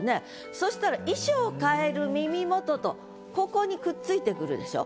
そしたら「衣装替える耳元」とここにくっついてくるでしょ？